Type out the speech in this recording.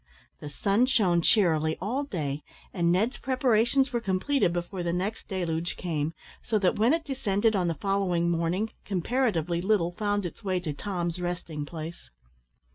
The sun shone cheerily all day, and Ned's preparations were completed before the next deluge came, so that when it descended on the following morning, comparatively little found its way to Tom's resting place.